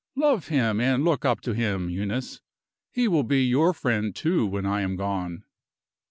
Love him, and look up to him, Eunice. He will be your friend, too, when I am gone."